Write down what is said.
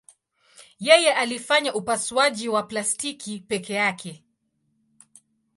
Yeye alifanya upasuaji wa plastiki peke yake.